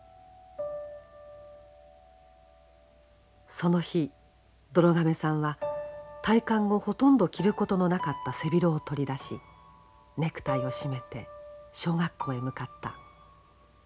その日どろ亀さんは退官後ほとんど着ることのなかった背広を取り出しネクタイを締めて小学校へ向かった。